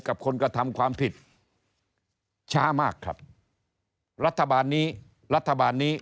กับคนกระทำความผิดช้ามากครับรัฐบาลนี้รัฐบาลนี้